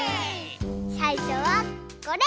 さいしょはこれ！